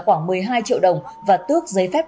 khoảng một mươi hai triệu đồng và tước giấy phép